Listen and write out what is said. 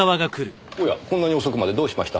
おやこんなに遅くまでどうしました？